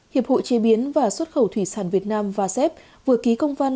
hiệp hội chế biến và xuất khẩu thủy sản việt nam vasep vừa ký công văn